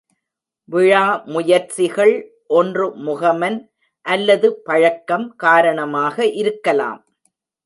விழா முயற்சிகள் ஒன்று முகமன், அல்லது பழக்கம் காரணமாக இருக்கலாம்.